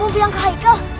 mau bilang ke haikal